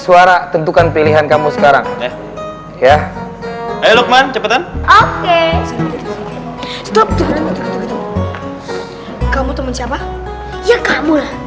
sekarang tentukan pilihan kamu sekarang ya ya ya luqman cepetan oke stop kamu teman siapa ya kamu